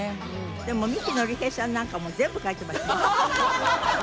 でも三木のり平さんなんかも全部書いてましたね。